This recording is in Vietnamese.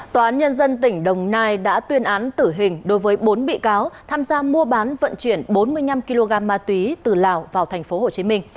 tòa án nhân dân tỉnh đồng nai đã tuyên án tử hình đối với bốn bị cáo tham gia mua bán vận chuyển bốn mươi năm kg ma túy từ lào vào tp hcm